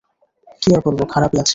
কী আর বলবো, খারাপই আছি।